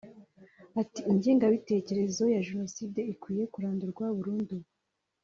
Ati “Ingengabitekerezo ya Jenoside ikwiye kurandurwa burundu